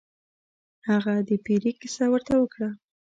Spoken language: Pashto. هغه د پیري کیسه ورته وکړه.